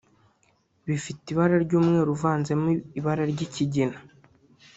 bifite ibara ry’umweru uvanzemo ibara ry’ikigina